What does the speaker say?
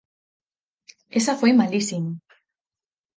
Esa foi malísima.